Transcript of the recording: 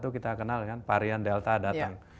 kita kenal kan varian delta datang